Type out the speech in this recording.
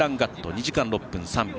２時間６分３秒。